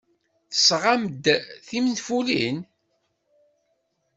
Tesɣam-d tinfulin?